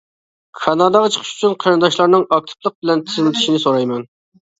كاناداغا چىقىش ئۈچۈن قېرىنداشلارنىڭ ئاكتىپلىق بىلەن تىزىملىتىشىنى سورايمەن.